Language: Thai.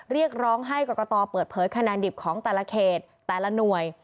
เรียกร้องให้กรกตเปิดเผยคะแนนดิบของแต่ละเขตแต่ละหน่วย